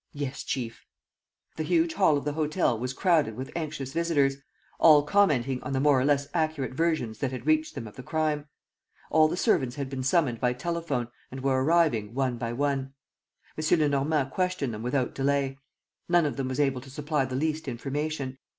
"Yes, chief." The huge hall of the hotel was crowded with anxious visitors, all commenting on the more or less accurate versions that had reached them of the crime. All the servants had been summoned by telephone and were arriving, one by one. M. Lenormand questioned them without delay. None of them was able to supply the least information.